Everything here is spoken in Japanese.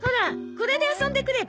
これで遊んでくれば？